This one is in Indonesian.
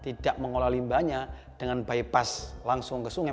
tidak mengolah limbahnya dengan bypass langsung ke sungai